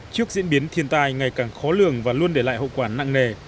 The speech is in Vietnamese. trước diễn biến thiên tai ngày càng khó lường và luôn để lại hậu quả nặng nề